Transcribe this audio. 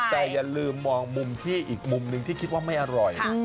แต่อย่าลืมมองมุมที่อีกมุมหนึ่งที่คิดว่าไม่อร่อยนะ